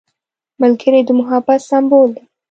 ملګری د محبت سمبول دی